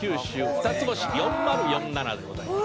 ふたつ星４０４７でございます」